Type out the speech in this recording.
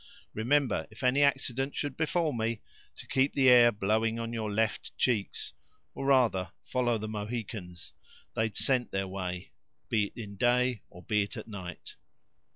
Remember, if any accident should befall me, to keep the air blowing on your left cheeks—or, rather, follow the Mohicans; they'd scent their way, be it in day or be it at night."